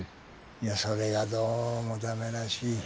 いやそれがどうもダメらしい。